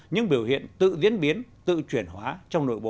những biểu hiện tự diễn biến tự chuyển hóa trong nội bộ